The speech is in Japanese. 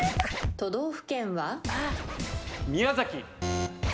都道府県は？